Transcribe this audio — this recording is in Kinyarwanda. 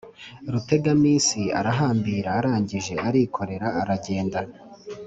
rutegaminsi arahambira arangije arikorera, aragenda